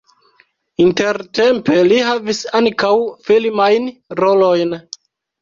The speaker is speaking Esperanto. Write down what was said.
Intertempe li havis ankaŭ filmajn rolojn.